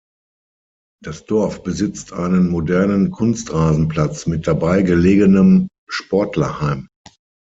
Das Dorf besitzt einen modernen Kunstrasenplatz mit dabei gelegenem Sportlerheim.